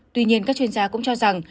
tuy nhiên các chuyên gia cũng cho rằng